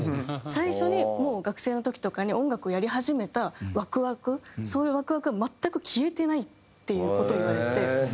最初にもう学生の時とかに音楽をやり始めたワクワクそういうワクワクが全く消えてないっていう事を言われて。